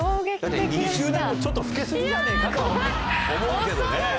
２０年後ちょっと老け過ぎじゃねえかと思うけどね。